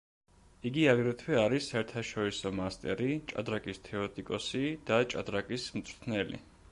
იგი აგრეთვე არის საერთაშორისო მასტერი, ჭადრაკის თეორეტიკოსი და ჭადრაკის მწვრთნელი.